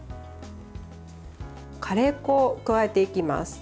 カレー粉を加えていきます。